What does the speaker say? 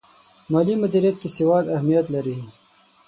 مالي مدیریت کې سواد اهمیت لري.